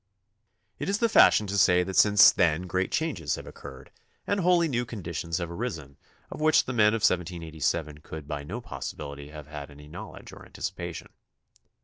It is the fashion to say that since then great changes have occurred and wholly new conditions have arisen of which the men of 1787 could by no possibility have had any knowledge or anticipation.